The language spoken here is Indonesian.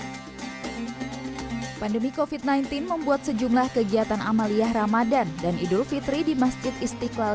hai pandemi kofit sembilan belas membuat sejumlah kegiatan amaliyah ramadhan dan idul fitri di masjid istiqlal